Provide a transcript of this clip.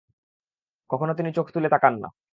কখনো তিনি চোখ তুলে তাকান না।